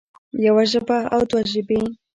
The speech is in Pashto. يوه ژبه او دوه ژبې